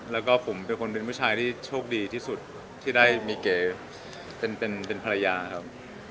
แล้วก็ผมเป็นคนเป็นผู้ชายที่โชคดีที่สุดที่ได้มีเก๋เป็นภรรยาครับ